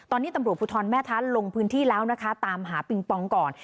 ตอนนี้ตำรวจภูทรแม่ทัศน์ลงพื้นที่แล้วนะคะตามหาปิงปองก่อน